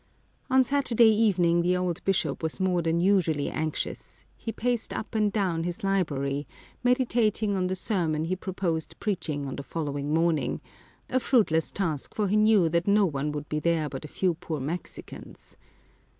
On Saturday evening the old bishop was more than usually anxious ; he paced up and down his library, meditating on the sermon he purposed preaching on the following morning — a fruitless task, for he knew that no one would be there but a few poor Mexicans.